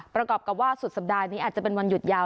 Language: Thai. ประกอบกับว่าสุดสัปดาห์นี้อาจจะเป็นวันหยุดยาว